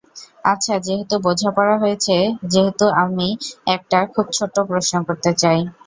আচ্ছা, যেহেতু বোঝাপড়া হয়েছে, যেহেতু আমি একটা খুব ছোট্ট প্রশ্ন করতে চাই।